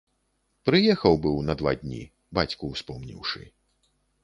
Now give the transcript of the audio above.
Прыехаў быў на два дні, бацьку ўспомніўшы.